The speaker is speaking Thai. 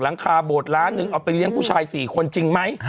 หลังคาโบดล้านหนึ่งเอาไปเลี้ยงผู้ชาย๔คนจริงไหม